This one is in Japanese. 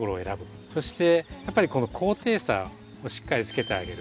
そしてやっぱりこの高低差をしっかりつけてあげる。